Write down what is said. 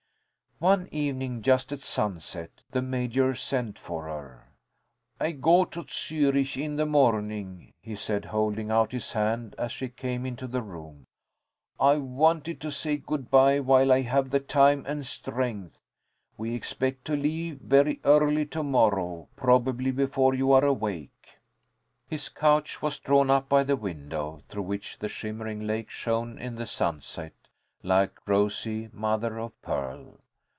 One evening, just at sunset, the Major sent for her. "I go to Zürich in the morning," he said, holding out his hand as she came into the room. "I wanted to say good bye while I have the time and strength. We expect to leave very early to morrow, probably before you are awake." His couch was drawn up by the window, through which the shimmering lake shone in the sunset like rosy mother of pearl.